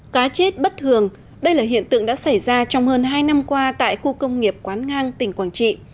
cá chết bất thường đây là hiện tượng đã xảy ra trong hơn hai năm qua tại khu công nghiệp quán ngang tỉnh quảng trị